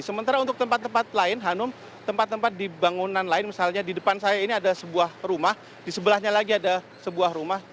sementara untuk tempat tempat lain hanum tempat tempat di bangunan lain misalnya di depan saya ini ada sebuah rumah di sebelahnya lagi ada sebuah rumah